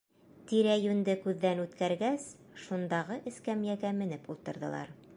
Тирә-йүнде күҙҙән үткәргәс, шундағы эскәмйәгә менеп ултырҙылар.